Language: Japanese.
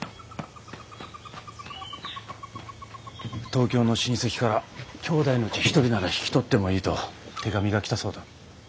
東京の親戚からきょうだいのうち一人なら引き取ってもいいと手紙が来たそうだ。